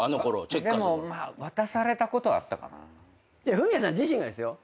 フミヤさん自身がですよ。